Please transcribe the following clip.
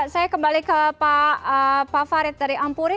saya kembali ke pak farid dari ampuri